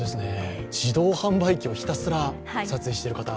自動販売機をひたすら撮影している方。